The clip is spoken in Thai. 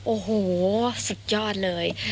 ร่่อยนะซุดยอดเลย